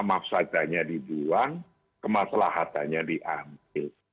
maksadanya diduang kemaslahatannya diambil